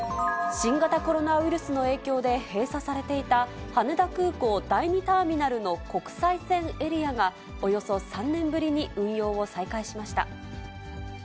新型コロナウイルスの影響で閉鎖されていた羽田空港第２ターミナルの国際線エリアが、およそ３年ぶりに運用を再開しました。